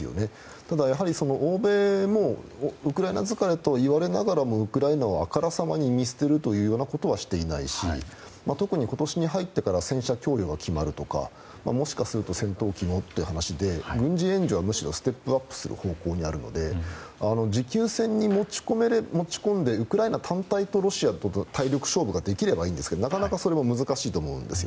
ただ、欧米もウクライナ疲れと言われながらもウクライナをあからさまに見捨てるようなことはしていないし特に今年に入ってから戦車供与が決まるとかもしかすると戦闘機もという話で軍事援助はむしろステップアップする方向にあるので持久戦に持ち込んでウクライナ単体がロシアと体力勝負ができればいいんですけどなかなかそれは難しいと思うんです。